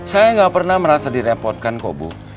saya nggak pernah merasa direpotkan kok bu